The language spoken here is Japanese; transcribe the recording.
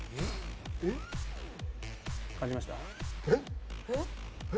感じました？